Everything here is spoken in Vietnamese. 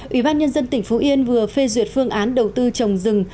ủy ban nhân dân tỉnh phú yên vừa phê duyệt phương án đầu tư trồng rừng